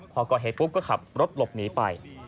พอก่อเหตุซักครั้งคือก็ขับรถลบหนีไป